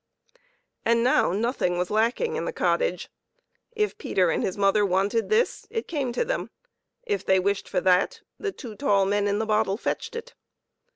And now nothing was lacking in the cottage ; if Peter and his mother wanted this, it came to them ; if they wished for that, the two tall men in the bottle fetched it.